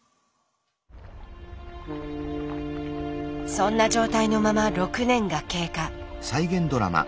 そんな状態のまま６年が経過。